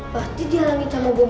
pasti dia lagi sama bom